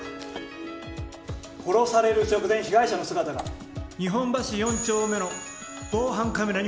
殺される直前被害者の姿が日本橋４丁目の防犯カメラに映っていた。